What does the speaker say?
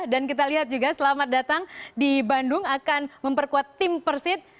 dan kita lihat juga selamat datang di bandung akan memperkuat tim persib